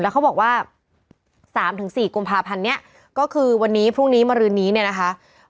เขาบอกว่า๓๔กุมภาพันธ์นี้ก็คือวันนี้พรุ่งนี้มารืนนี้เนี่ยนะคะ